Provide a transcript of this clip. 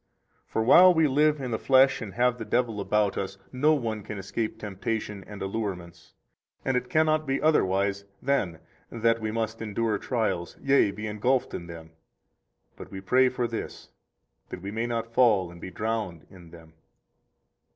For while we live in the flesh and have the devil about us, no one can escape temptation and allurements; and it cannot be otherwise than that we must endure trials, yea, be engulfed in them; but we pray for this, that we may not fall and be drowned in them.